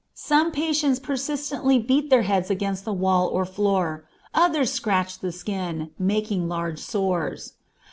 Some patients persistently beat their heads against the wall or floor, others scratch the skin, making large sores.